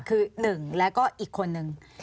คือ๑แล้วก็อีกคนนึง